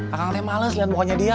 akangnya males liat pokoknya dia